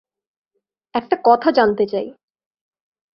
একটা কথা জানতে চাই।